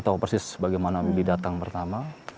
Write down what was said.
tahu persis bagaimana willy datang pertama